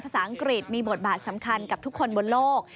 ภาษาอังกฤษมีบทบาทสำคัญกับทุกคนบนโลก